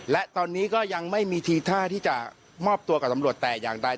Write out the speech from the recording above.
และตอนนี้ก็ยังไม่มีทีท่าที่จะมอบตัวกับตำรวจแต่อย่างใด